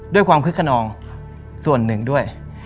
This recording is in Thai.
ด้วยความคึกขนองส่วนหนึ่งด้วย